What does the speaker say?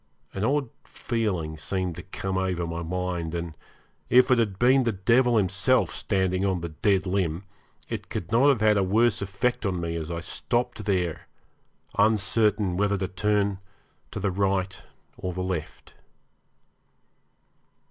An odd feeling seemed to come over my mind, and if it had been the devil himself standing on the dead limb it could not have had a worse effect on me as I stopped there, uncertain whether to turn to the right or the left.